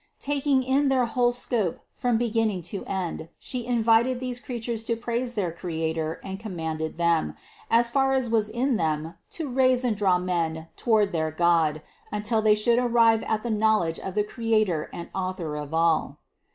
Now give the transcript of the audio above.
Taking in their whole scope from beginning to end, She invited these creatures to praise their Creator and commanded them, as far as was in them, to raise and draw men toward their God until they should arrive at the knowledge of the Creator and Author of all.